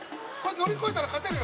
乗り越えたら勝てるよ。